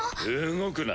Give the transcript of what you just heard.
動くな。